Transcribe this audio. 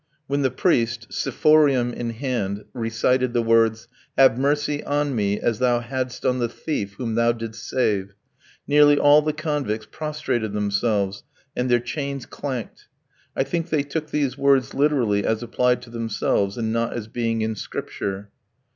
When the priest, ciforium in hand, recited the words, "Have mercy on me as Thou hadst on the thief whom Thou didst save," nearly all the convicts prostrated themselves, and their chains clanked; I think they took these words literally as applied to themselves, and not as being in Scripture.